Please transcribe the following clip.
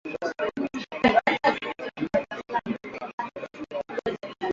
Ni muhimu kula viazi lishe kwani virutubishi vilivyomo vinahitajika mwilini